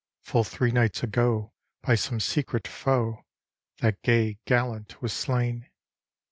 Full three nights ago, by some secret foe, That gay gallant was slain.